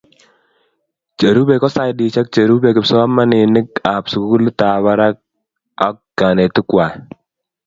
cherupei ko sidesiek cherupei kipsomaninik ap sukulit ap parak ak kanetik kwai